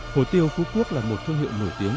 hồ tiêu phú quốc là một thương hiệu nổi tiếng